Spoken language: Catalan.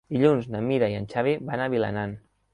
Dilluns na Mira i en Xavi van a Vilanant.